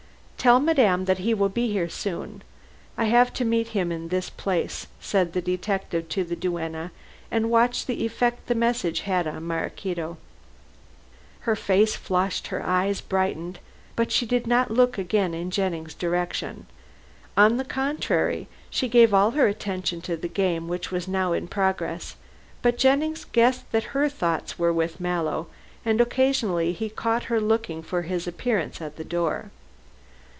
"Tell madame that he will be here soon. I have to meet him in this place," said the detective to the duenna, and watched the effect of the message on Maraquito. Her face flushed, her eyes brightened, but she did not look again in Jennings' direction. On the contrary, she gave all her attention to the game which was now in progress, but Jennings guessed that her thoughts were with Mallow, and occasionally he caught her looking for his appearance at the door.